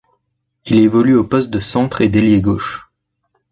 Il évolue au poste de centre et d'ailier gauche.